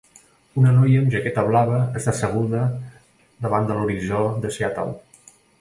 Una noia amb jaqueta blava està asseguda davant de l'horitzó de Seattle.